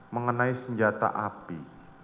mengenai senjata api